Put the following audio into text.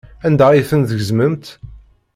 Anda ay ten-tgezmemt?